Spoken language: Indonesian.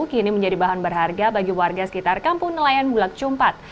kini menjadi bahan berharga bagi warga sekitar kampung nelayan bulak cumpat